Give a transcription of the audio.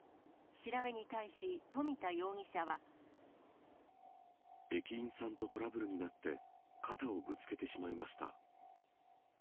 調べに対し、駅員さんとトラブルになって、肩をぶつけてしまいました。